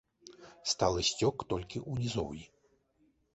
Сталы сцёк толькі ў нізоўі.